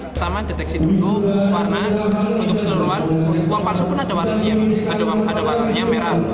pertama deteksi dulu warna untuk seluruhan uang palsu pun ada warna yang merah